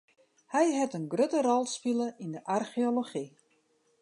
Hy hat in grutte rol spile yn de archeology.